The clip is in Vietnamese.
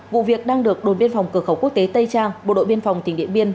vụ việc đang được đồn biên phòng cửa khẩu quốc tế tây trang bộ đội biên phòng tỉnh điện biên